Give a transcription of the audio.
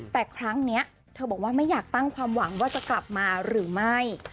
แต่ครั้งนี้เธอบอกว่าไม่อยากตั้งความหวังว่าจะกลับมาหรือไม่